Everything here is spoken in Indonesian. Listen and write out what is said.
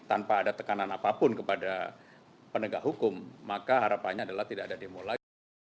tanpa ada tekanan apapun kepada penegak hukum maka harapannya adalah tidak ada demo lagi